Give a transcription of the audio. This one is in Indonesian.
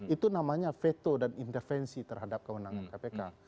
itu namanya veto dan intervensi terhadap kewenangan kpk